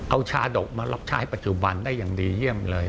เอาชาดกมารับใช้ปัจจุบันได้อย่างดีเยี่ยมเลย